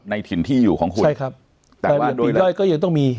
ในถิ่นที่อยู่ของคุณใช่ครับแต่ว่ารายละเอียดปีย่อยก็ยังต้องมี